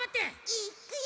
いっくよ！